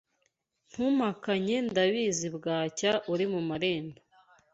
Ntumpakanye ndabizi Bwacya uri mu marembo